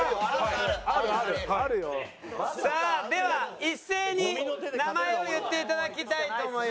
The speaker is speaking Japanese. さあでは一斉に名前を言っていただきたいと思います。